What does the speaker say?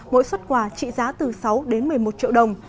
mỗi xuất quà trị giá từ sáu đến một mươi một triệu đồng